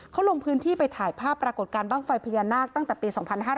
เขาลงพื้นที่ไปถ่ายภาพปรากฏการณ์บ้างไฟพญานาคตั้งแต่ปี๒๕๕๙